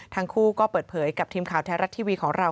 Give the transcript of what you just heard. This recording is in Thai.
ทั้งคู่ก็เปิดเผยกับทีมข่าวแท้รัฐทีวีของเรา